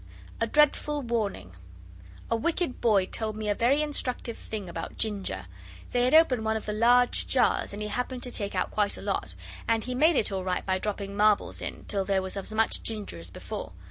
A DREADFUL WARNING. A wicked boy told me a very instructive thing about ginger. They had opened one of the large jars, and he happened to take out quite a lot, and he made it all right by dropping marbles in, till there was as much ginger as before.